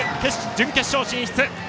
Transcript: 準決勝進出。